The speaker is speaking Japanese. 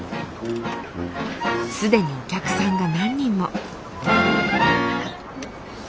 既にお客さんが何人も。